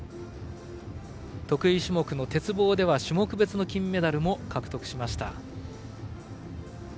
得意種目の鉄棒では種目別の金メダルも獲得しました。